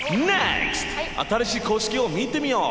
新しい公式を見てみよう！